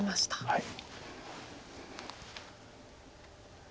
はい。